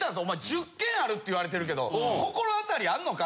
１０件あるって言われてるけど心当たりあんのか？